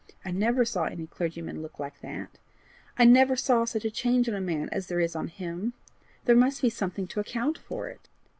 I never saw any clergyman look like that; and I never saw such a change on a man as there is on him. There must be something to account for it.